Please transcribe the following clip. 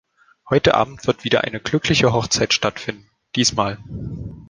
Heute Abend wird wieder eine glückliche Hochzeit stattfinden, diesmal.